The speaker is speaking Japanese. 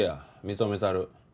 認めたる。